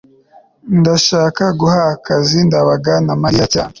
ndashaka guha akazi ndabaga na mariya cyane